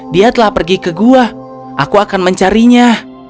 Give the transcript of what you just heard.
dia telah pergi ke gua aku akan mencarinya